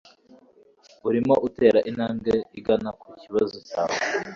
Urimo utera intambwe igana kukibazo cyawe